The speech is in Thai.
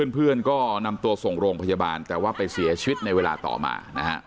เพื่อนก็นำตัวส่งโรงพยาบาลแต่ว่าไปเสียชีวิตในเวลาต่อมานะฮะ